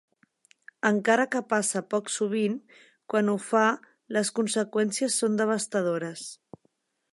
Encara que passa poc sovint, quan ho fa les conseqüències són devastadores.